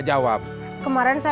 ya udah kita pulang dulu aja